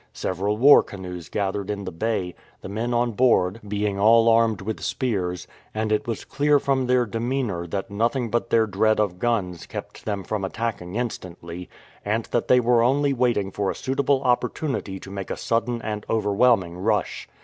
Several war canoes gathered in the bay, the men on board 250 ^^■ o SPANIARD HARBOUR being all armed with spears, and it was clear from their demeanour that nothing but their dread of guns kept them from attacking instantly, and that they were only v/aiting for a suitable opportunity to make a sudden and overwhelming rush.